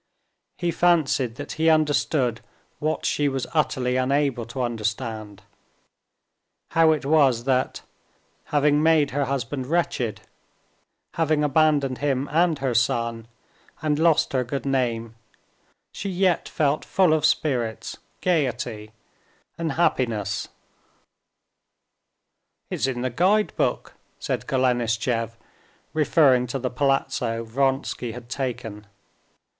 He fancied that he understood what she was utterly unable to understand: how it was that, having made her husband wretched, having abandoned him and her son and lost her good name, she yet felt full of spirits, gaiety, and happiness. "It's in the guide book," said Golenishtchev, referring to the palazzo Vronsky had taken.